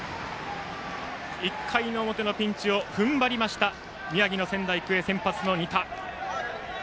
１回の表のピンチを踏ん張りました宮城の仙台育英、先発の仁田。